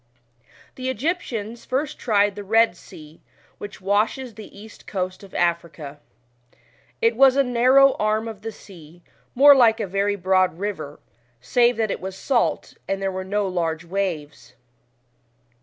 The Egyptians first tried the lied Sea, which washes the east coast of Africa. It was a narrow arm of the sea, more like a very broad river, save that it was salt, and there were no large waves.